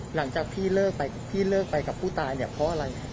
หลังจากพี่เลิกไปกับผู้ตายเนี่ยเพราะอะไร